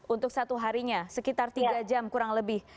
untuk satu harinya sekitar tiga jam kurang lebih